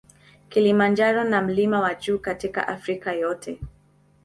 Kilimanjaro na mlima wa juu katika Afrika yote.